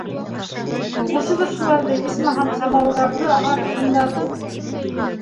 Ҡушығыҙ шуларҙы, исмаһам, самауырҙарҙы ағартһындар.